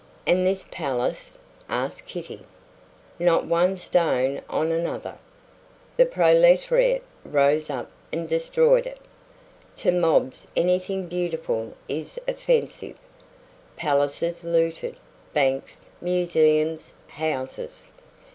"And this palace?" asked Kitty. "Not one stone on another. The proletariat rose up and destroyed it. To mobs anything beautiful is offensive. Palaces looted, banks, museums, houses.